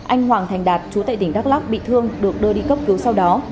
anh hoàng thành đạt chú tại tỉnh đắk lắc bị thương được đưa đi cấp cứu sau đó